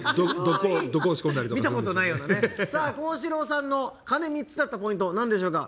皓志郎さんの鐘３つだったポイントなんでしょうか？